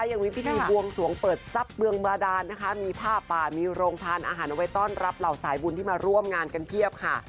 ยังมีพิธีบวงสวงเปิดทรัพย์เมืองบาดานนะคะมีผ้าป่ามีโรงทานอาหารเอาไว้ต้อนรับเหล่าสายบุญที่มาร่วมงานกันเพียบค่ะ